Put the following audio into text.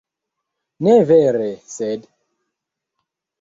Ne vere, sed...